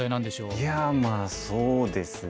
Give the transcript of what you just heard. いやまあそうですね